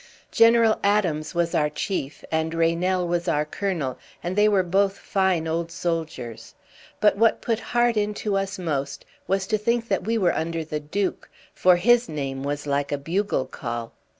General Adams was our chief, and Reynell was our colonel, and they were both fine old soldiers; but what put heart into us most was to think that we were under the Duke, for his name was like a bugle call.